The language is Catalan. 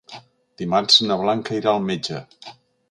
Dimarts na Blanca irà al metge.